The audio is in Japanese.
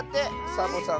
サボさん